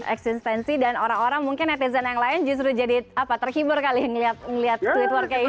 eksistensi dan orang orang mungkin netizen yang lain justru jadi terhibur kali ngeliat tweet war kayaknya